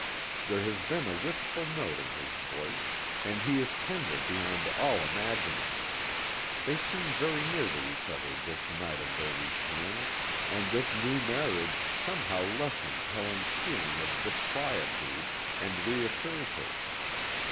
There has been a wistful note in his voice, and he is tender beyond all imagining. They seem very near to each other this night of their return, and this new marriage somehow lessens Helen's feeling of disquietude, and reassures her.